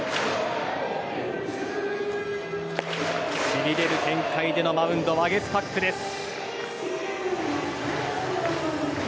しびれる展開でのマウンドワゲスパックです。